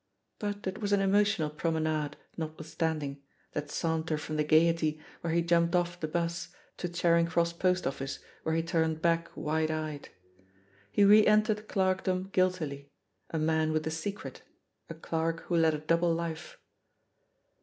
But it was an emotional promenade, notwith standing, that saunter from the Gaiety, where he jumped off the bus, to Charing Cross post oflSce, where he turned back wide eyed. He re entered clerkdom guiltily — a man with a secret, a clerk who led a double life.